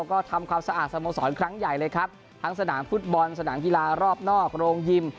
ก็ทำความสะอาดสโมสรครั้งใหญ่เลยครับทั้งสนามฟุตบอลสนามกีฬารอบนอกโรงยิม